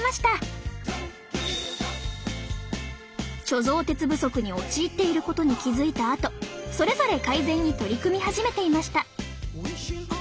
貯蔵鉄不足に陥っていることに気付いたあとそれぞれ改善に取り組み始めていました。